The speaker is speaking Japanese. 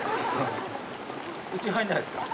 うち入んないですか？